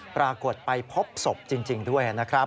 ปรากฏไปพบศพจริงด้วยนะครับ